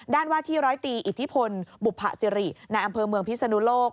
ว่าที่ร้อยตีอิทธิพลบุภสิริในอำเภอเมืองพิศนุโลก